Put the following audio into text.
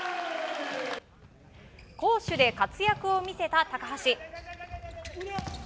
攻守で活躍を見せた高橋。